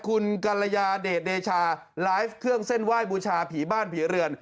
คุณกรยาเดชเดชาไลฟ์เครื่องเส้นไหว้บูชาผีบ้านผีเรือน